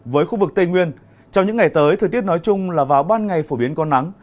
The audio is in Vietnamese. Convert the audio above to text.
với khu vực tây nguyên trong những ngày tới thời tiết nói chung là vào ban ngày phổ biến có nắng